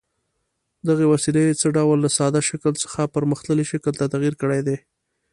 دغې وسیلې څه ډول له ساده شکل څخه پرمختللي شکل ته تغیر کړی دی؟